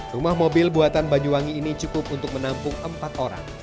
rumah mobil buatan banyuwangi ini cukup untuk menampung empat orang